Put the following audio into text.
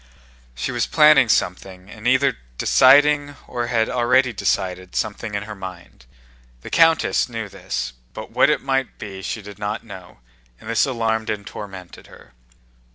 She was planning something and either deciding or had already decided something in her mind. The countess knew this, but what it might be she did not know, and this alarmed and tormented her.